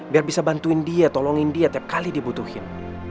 biar bisa bantuin dia tolongin dia tiap kali dibutuhin